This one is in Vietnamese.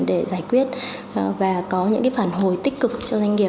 để giải quyết và có những phản hồi tích cực cho doanh nghiệp